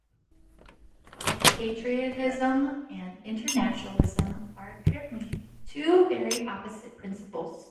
Patriotism and internationalism are, apparently, two very opposite principles.